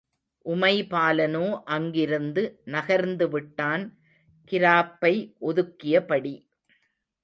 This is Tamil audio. உமைபாலனோ அங்கிருந்து நகர்ந்துவிட்டான், கிராப்பை ஒதுக்கியபடி!